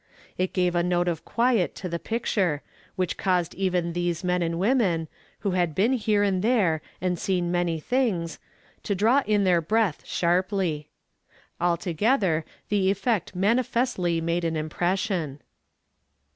It gave a note of quiet to the picture, which caused even these men and women, who had been here and there and seen many things, to draw in their breath sharply. Altogether the effect manifestly made an impression.